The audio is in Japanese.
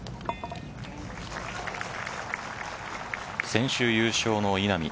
先週優勝の稲見